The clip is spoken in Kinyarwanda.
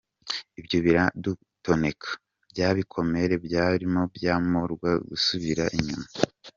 Ibyo biradutoneka, bya bikomere byarimo byomorwa bigasubira inyuma.